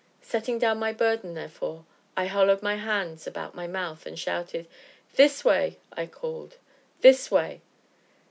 Setting down my burden, therefore, I hollowed my hands about my mouth, and shouted. "This way!" I called; "this way!"